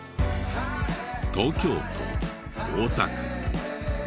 東京都大田区。